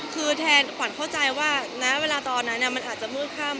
คือแทนขวัญเข้าใจว่าณเวลาตอนนั้นมันอาจจะมืดค่ำ